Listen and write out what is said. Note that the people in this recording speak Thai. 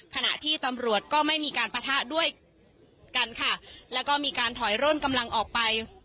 ขณะที่ตำรวจก็ไม่มีการปะทะด้วยกันค่ะแล้วก็มีการถอยร่นกำลังออกไป